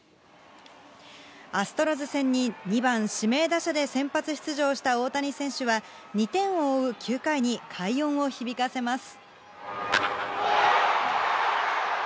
アストロズ戦に２番指名打者で先発出場した大谷選手は、２点を追う９回に快音を響かせます。